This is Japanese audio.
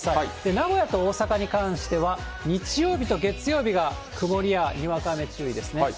名古屋と大阪に関しては、日曜日と月曜日が曇りやにわか雨注意ですね。